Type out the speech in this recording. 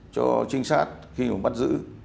cho trinh sát khi mà bắt giữ